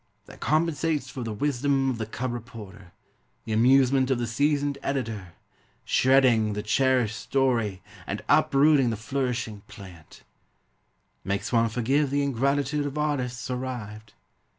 That compensates For the wisdom of the cub reporter, The amusement of the seasoned editor, Shredding the cherished story And uprooting the flourishing "plant"; Makes one forgive The ingratitude of artists arrived.